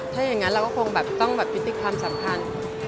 ถ้าอย่างงั้นเราก็คงต้องยุติความสำคัญ